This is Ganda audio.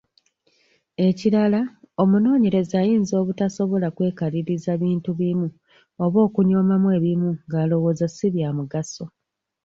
Ekirala, omunoonyereza ayinza obutasobola kwekaliriza bintu ebimu oba okunyoomamu ebimu ng’alowooza ssi bya mugaso.